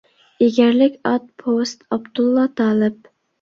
«ئېگەرلىك ئات» ، پوۋېست، ئابدۇللا تالىپ.